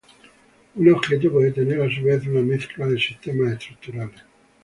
Un objeto puede tener, a su vez, una mezcla de sistemas estructurales.